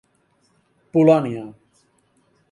Polònia.